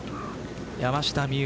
山下美夢